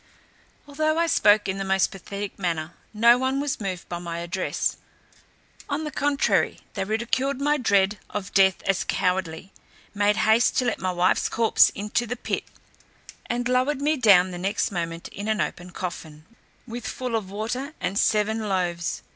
Although I spoke in the most pathetic manner, no one was moved by my address; on the contrary, they ridiculed my dread of death as cowardly, made haste to let my wife's corpse into the pit, and lowered me down the next moment in an open coffin, with full of water and seven loaves.